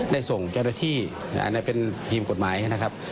ได้ส่งเจ้าหน้าที่อันนั้นเป็นทีมกฎหมายนะครับ